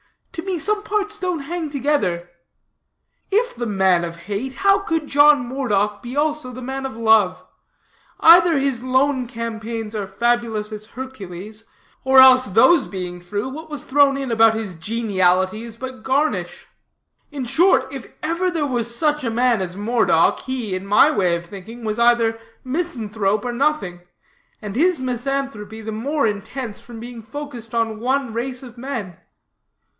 To me some parts don't hang together. If the man of hate, how could John Moredock be also the man of love? Either his lone campaigns are fabulous as Hercules'; or else, those being true, what was thrown in about his geniality is but garnish. In short, if ever there was such a man as Moredock, he, in my way of thinking, was either misanthrope or nothing; and his misanthropy the more intense from being focused on one race of men.